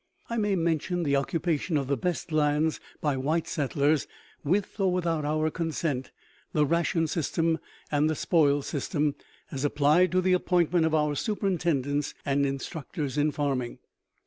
I may mention the occupation of the best lands by white settlers, with or without our consent; the ration system; and the "spoils system" as applied to the appointment of our superintendents and instructors in farming.